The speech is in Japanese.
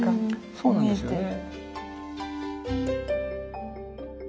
そうなんですよね。